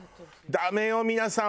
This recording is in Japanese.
ダメよ皆さん。